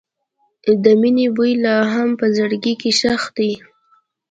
د مینې بوی لا هم په زړګي کې ښخ دی.